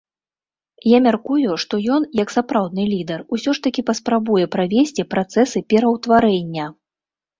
Я мяркую, што ён, як сапраўды лідэр, усё ж такі паспрабуе правесці працэсы пераўтварэння.